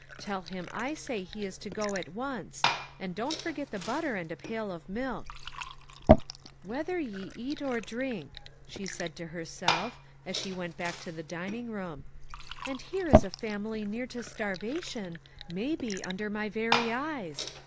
Tell him I say he is to go at once, and don't forget the butter and a pail of milk." " Whether ye eat or drink," she said to herself, as she went back to the dining MISS WAINWRJGHT'S "MUDDLE." . 27 room. " And here is a family near to starva tion, may be under my very eyes.